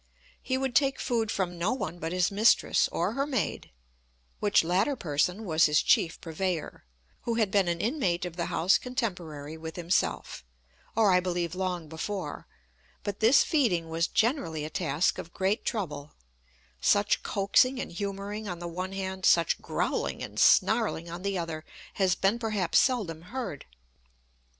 He would take food from no one but his mistress or her maid, which latter person was his chief purveyor, who had been an inmate of the house contemporary with himself, or I believe long before; but this feeding was generally a task of great trouble, such coaxing and humouring on the one hand, such growling and snarling on the other, has been perhaps seldom heard.